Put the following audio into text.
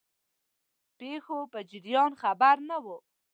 پیښو په جریان خبر نه وو.